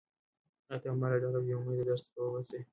ایا ته به ما له دغه بېامیده درد څخه وباسې؟